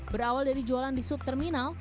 berawal dari jualan di sub terminal